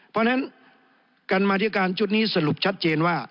เพราะฉะนั้นการมาธิการชุดนี้สรุปชัดเจนว่า